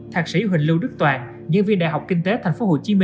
thạc sĩ huỳnh lưu đức toàn diễn viên đại học kinh tế tp hcm